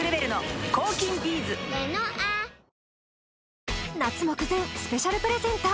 ニトリ夏目前スペシャルプレゼント